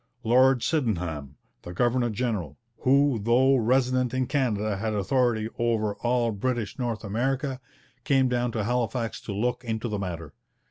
Lord Sydenham, the governor general, who though resident in Canada had authority over all British North America, came down to Halifax to look into the matter.